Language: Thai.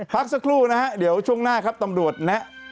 พักสักครู่นะฮะเดี๋ยวช่วงหน้าครับตำรวจแนะ